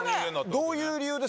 どういう理由で？